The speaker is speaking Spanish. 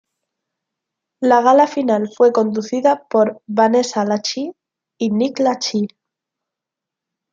La gala final fue conducida por Vanessa Lachey y Nick Lachey.